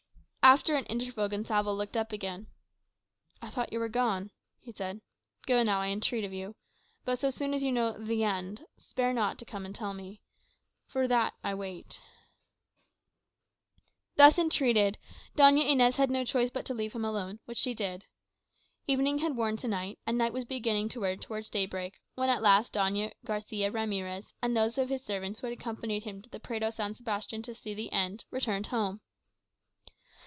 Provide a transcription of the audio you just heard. After an interval, Gonsalvo looked up again. "I thought you were gone," he said. "Go now, I entreat of you. But so soon as you know the end, spare not to come and tell me. For I wait for that." Thus entreated, Doña Inez had no choice but to leave him alone, which she did. Evening had worn to night, and night was beginning to wear towards daybreak, when at last Don Garçia Ramirez, and those of his servants who had accompanied him to the Prado San Sebastian to see the end, returned home.